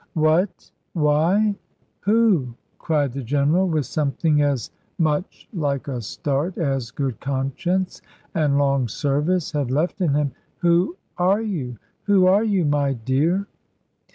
"What, why, who?" cried the General, with something as much like a start as good conscience and long service had left in him: "who are you? Who are you, my dear?"